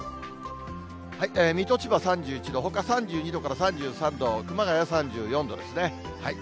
水戸、千葉、３１度、ほか３２度から３３度、熊谷は３４度ですね。